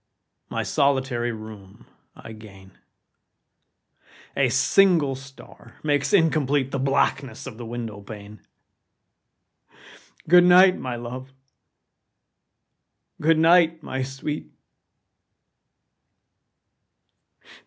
My solitary room I gain. A single star makes incomplete The blackness of the window pane. Good night, my love! good night, my sweet!